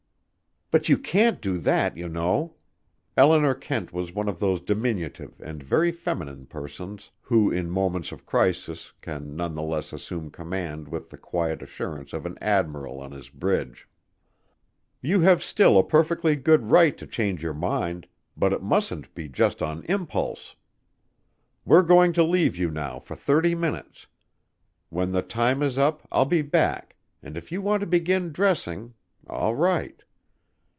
"You can't do that, you know." Eleanor Kent was one of those diminutive and very feminine persons, who in moments of crisis can none the less assume command with the quiet assurance of an admiral on his bridge. "You have still a perfectly good right to change your mind, but it mustn't be just on impulse. We're going to leave you now for thirty minutes. When the time is up I'll be back and if you want to begin dressing all right."